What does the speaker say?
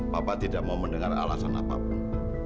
bapak tidak mau mendengar alasan apapun